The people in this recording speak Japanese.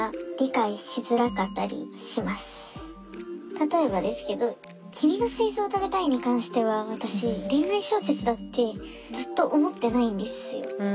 例えばですけど「君の膵臓をたべたい」に関しては私恋愛小説だってずっと思ってないんですよ。